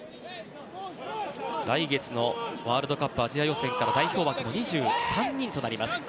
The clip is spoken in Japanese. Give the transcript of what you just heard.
来月のワールドカップアジア予選から代表枠が２３人となります。